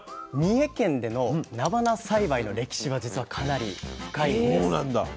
三重県でのなばな栽培の歴史が実はかなり深いんです。